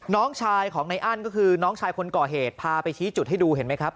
น้องชายของในอั้นก็คือน้องชายคนก่อเหตุพาไปชี้จุดให้ดูเห็นไหมครับ